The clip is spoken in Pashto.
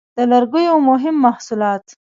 د لرګیو مهم محصولات: